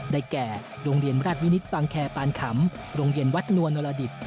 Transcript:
ได้แก่โรงเรียนรัฐวินิษฐ์ปางแคปานขำโรงเรียนวัดนัวนรดิบ